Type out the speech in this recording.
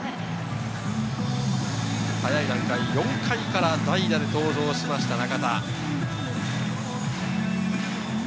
４回から代打で登場しました、中田。